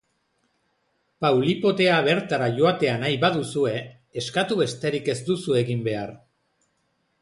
Paulipotea bertara joatea nahi baduzue, eskatu besterik ez duzue egin behar.